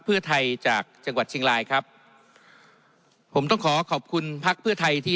เพื่อไทยจากจังหวัดเชียงรายครับผมต้องขอขอบคุณพักเพื่อไทยที่